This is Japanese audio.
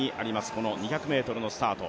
この２００ｍのスタート